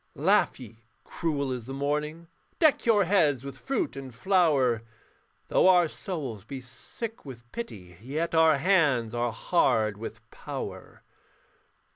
Laugh ye, cruel as the morning, Deck your heads with fruit and flower, Though our souls be sick with pity, Yet our hands are hard with power.